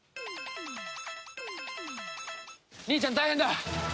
兄ちゃん大変だ！